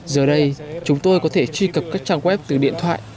giờ đây chúng tôi có thể truy cập các trang web từ điện thoại